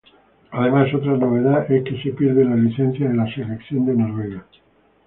Además, otra novedad es que se pierde la licencia de la selección de Noruega.